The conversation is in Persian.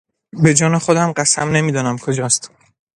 بهجان خودم قسم نمیدانم کجاست.